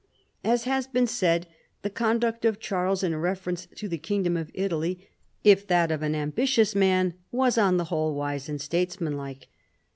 As has been said, the conduct of Charles in reference to the kingdom of Italy, if that of an ambitious man, was on the \vhole wise and states manlike.